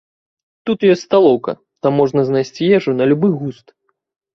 Тут ёсць сталоўка, там можна знайсці ежу на любы густ.